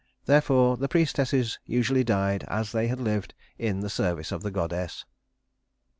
Therefore the priestesses usually died, as they had lived, in the service of the goddess.